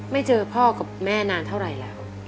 เจอพ่อกับแม่นานเท่าไหร่แล้ว